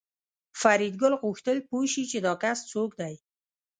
فریدګل غوښتل پوه شي چې دا کس څوک دی